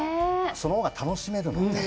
そのほうが楽しめるので。